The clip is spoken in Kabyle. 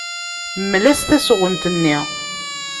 Mel-as tasɣunt-nni.